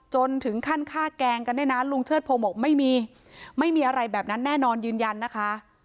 จนถึงขั้นฆ่าแกล้งกันเนี่ยนะลุงเชิดพงศ์บอกไม่มีไม่มีอะไรแบบนั้นแน่นอนยืนยันนะคะ